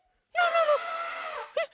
えっ？